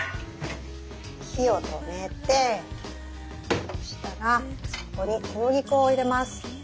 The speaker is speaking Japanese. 火を止めておろしたらここに小麦粉を入れます。